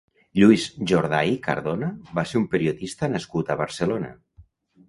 Lluís Jordà i Cardona va ser un periodista nascut a Barcelona.